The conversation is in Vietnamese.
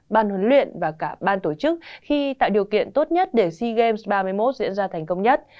ban huấn luyện và cả ban tổ chức khi tạo điều kiện tốt nhất để sea games ba mươi một diễn ra thành công nhất